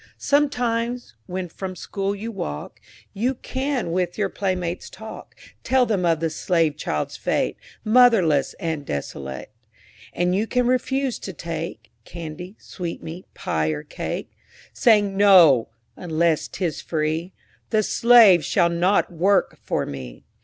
Sometimes, when from school you walk, You can with your playmates talk, Tell them of the slave child's fate, Motherless and desolate. And you can refuse to take Candy, sweetmeat, pie or cake, Saying "no"—unless 'tis free— "The slave shall not work for me."